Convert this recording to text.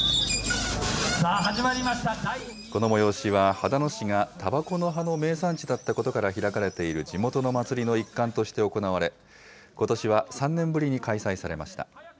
この催しは秦野市がたばこの葉の名産地だったことから開かれている地元の祭りの一環として行われ、ことしは３年ぶりに開催されました。